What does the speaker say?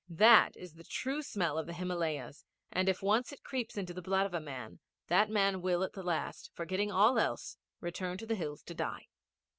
That is the true smell of the Himalayas, and if once it creeps into the blood of a man, that man will at the last, forgetting all else, return to the hills to die.